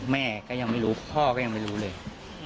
แม่ก็ยังไม่รู้พ่อก็ยังไม่รู้เลย